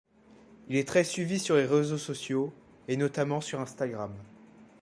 Il est très suivi sur les réseaux sociaux et notamment sur Instagram.